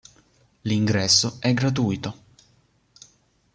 L’ingresso è gratuito.